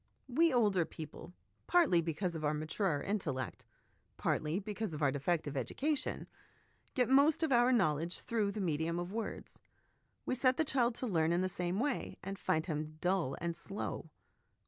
We older people, partly because of our maturer intellect, partly because of our defective education, get most of our knowledge through the medium of words. We set the child to learn in the same way, and find him dull and slow.